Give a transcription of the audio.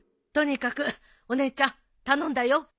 とにかくお姉ちゃん頼んだよ。